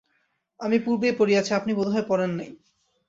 আমি পূর্বেই পড়িয়াছি, আপনি বোধ হয় পড়েন নাই।